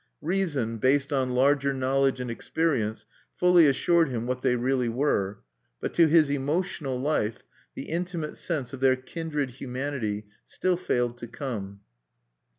Reason, based on larger knowledge and experience, fully assured him what they really were; but to his emotional life the intimate sense of their kindred humanity still failed to come.